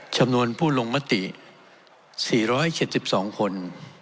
จำนวนผู้ลงมติ๔๗๒คน